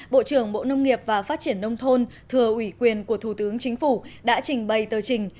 bộ trưởng bộ nông nghiệp và phát triển nông thôn thừa ủy quyền của thủ tướng chính phủ đã trình bày tờ trình